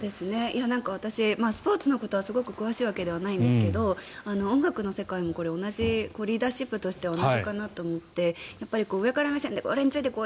私、スポーツのことはすごく詳しいわけではないんですけど音楽の世界もリーダーシップとして同じかなと思って上から目線で俺についてこい！